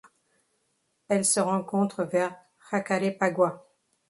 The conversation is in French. Elle se rencontre vers Jacarepaguá.